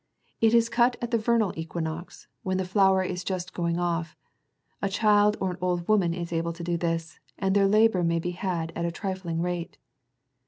It is cut at the vernal equinox, when the flower is just going off ; a child or an old woman is able to do this, and their labour may be had at a trifling rate.